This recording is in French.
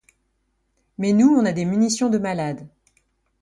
mais nous on a des munitions de malades.